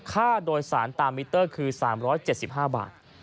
ค่าโดยสารตามมิเตอร์คือ๓๗๕บาท